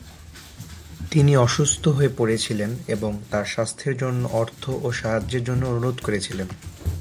তিনি অসুস্থ হয়ে পড়েছিলেন এবং তার স্বাস্থ্যের জন্য অর্থ ও সাহায্যের জন্য অনুরোধ করেছিলেন।